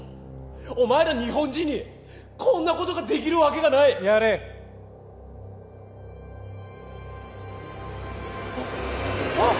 お前ら日本人にこんなことができるわけがないやれあっあっ！